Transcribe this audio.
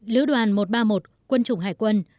lữ đoàn một trăm ba mươi một quân chủng hải quân